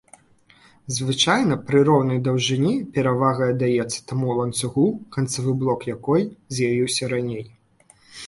Звычайна пры роўнай даўжыні перавага аддаецца таму ланцугу, канцавы блок якой з'явіўся раней.